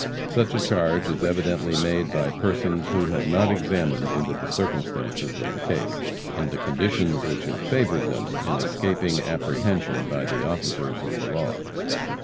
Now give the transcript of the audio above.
Such a charge is evidently made by persons who have not examined into the circumstances of the case, and the conditions which have favored them in escaping apprehension by the officers of the law.